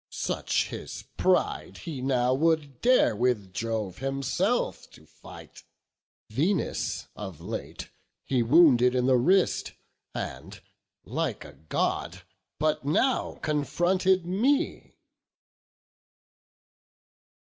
such his pride, He now would dare with Jove himself to fight. Venus, of late, he wounded in the wrist; And, like a God, but now confronted me."